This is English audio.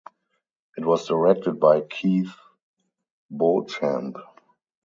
It was directed by Keith Beauchamp.